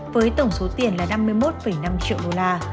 với tổng số tiền là năm mươi một năm triệu đô la